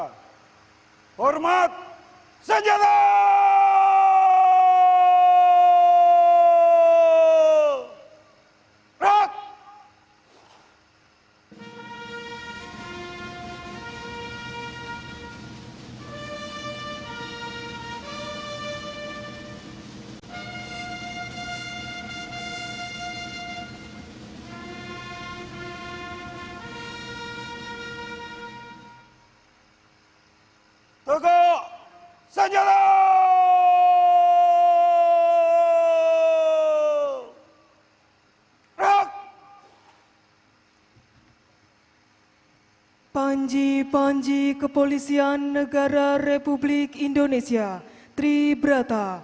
penghormatan kepada panji panji kepolisian negara republik indonesia tri brata